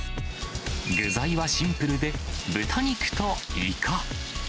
具材はシンプルで、豚肉といか。